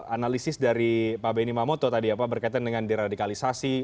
analisis dari pak benny mamoto tadi ya pak berkaitan dengan deradikalisasi